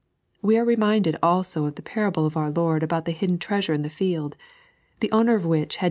We are reminded also of the parable of our Lord about the hidden treasure in the field, the owner of which had no 3.